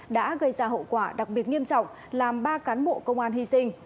đã gây ra hậu quả đặc biệt nghiêm trọng làm ba cán bộ công an hy sinh